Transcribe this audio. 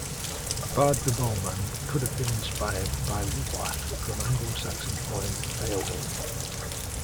Bard the Bowman could have been inspired by Wiglaf from Anglo-Saxon poem "Beowulf".